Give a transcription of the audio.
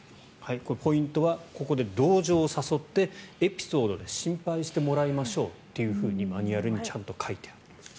これ、ポイントはここで同情を誘ってエピソードで心配してもらいましょうとマニュアルにちゃんと書いてある。